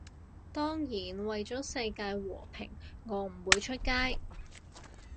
當然，為咗世界和平我唔會出街